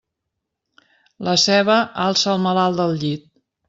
La ceba alça el malalt del llit.